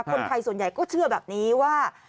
คนไทยส่วนใหญ่ก็เชื่อแบบนี้ว่า